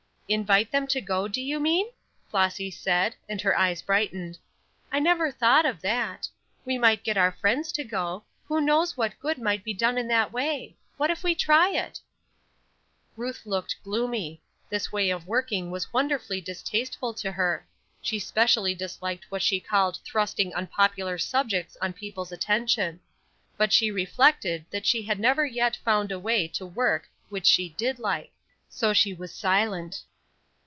"Invite them to go, do you mean?" Flossy said, and her eyes brightened. "I never thought of that. We might get our friends to go. Who knows what good might be done in that way? What if we try it?" Ruth looked gloomy. This way of working was wonderfully distasteful to her. She specially disliked what she called thrusting unpopular subjects on people's attention. But she reflected that she had never yet found a way to work which she did like; so she was silent.